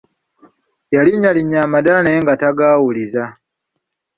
Yalinnyalinya amadaala naye nga tagawuliza.